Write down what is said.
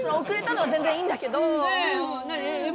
遅れたのは全然いいんだけどねえ